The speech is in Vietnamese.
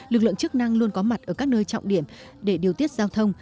lực lượng chức năng luôn có mặt ở các nơi trọng điểm để điều tiết giao thông